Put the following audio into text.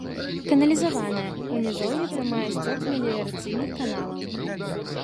Каналізаваная, у нізоўі прымае сцёк з меліярацыйных каналаў.